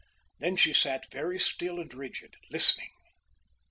Then she sat very still and rigid, listening.